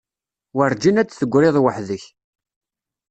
Werǧin ad d-tegriḍ weḥd-k.